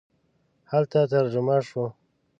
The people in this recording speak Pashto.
هلته ترجمه شو.